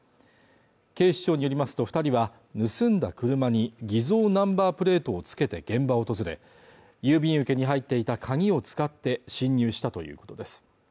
警視庁によりますと二人は盗んだ車に偽造ナンバープレートを付けて現場を訪れ郵便受けに入っていた鍵を使って侵入したということです